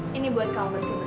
jadi sekarang aku liat fik pa